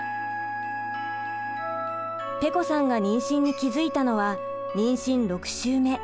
ぺこさんが妊娠に気付いたのは妊娠６週目。